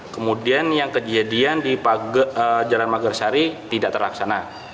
kemudian yang kejadian di jalan magersari tidak terlaksana